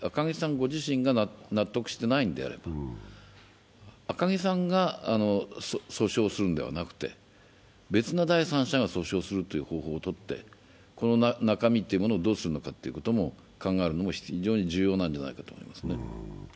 ご自身が納得していないのであるならば赤木さんが訴訟するのではなくて別の第三者が訴訟するという方法をとってこの中身というものをどうするのかというのを考えるのも非常に重要なんじゃないかと思います。